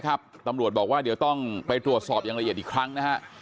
ตำรวจบอกว่าเดี๋ยวต้องไปตรวจสอบอย่างละเอียดอีกครั้งนะฮะ